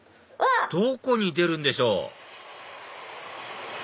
どこに出るんでしょう？